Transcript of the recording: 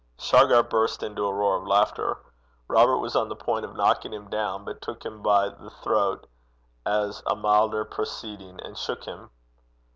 Shargar burst into a roar of laughter. Robert was on the point of knocking him down, but took him by the throat as a milder proceeding, and shook him.